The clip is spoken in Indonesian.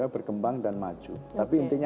berkembang dan maju tapi intinya